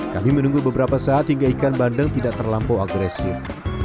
kami menunggu beberapa saat hingga ikan bandeng tidak terlampau agresif